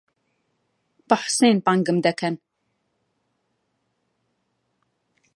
بە حوسێن بانگم دەکەن.